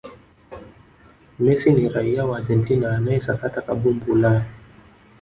messi ni raia wa argentina anayesakata kambumbu ulaya